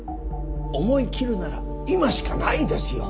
思い切るなら今しかないですよ。